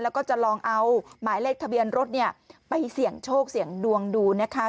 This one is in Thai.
แล้วก็จะลองเอาหมายเลขทะเบียนรถเนี่ยไปเสี่ยงโชคเสี่ยงดวงดูนะคะ